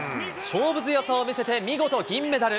勝負強さを見せて見事銀メダル。